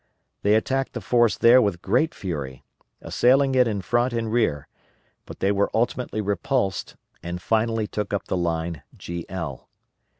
They attacked the force there with great fury, assailing it in front and rear, but they were ultimately repulsed, and finally took up the line GL.